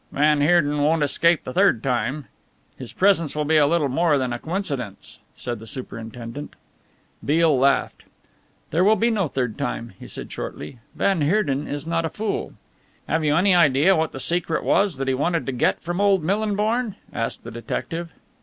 "Van Heerden won't escape the third time. His presence will be a little more than a coincidence," said the superintendent. Beale laughed. "There will be no third time," he said shortly, "van Heerden is not a fool." "Have you any idea what the secret was that he wanted to get from old Millinborn?" asked the detective.